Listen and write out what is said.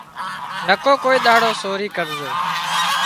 نڪو ڪوئي ۮاڙو سوري ڪرزي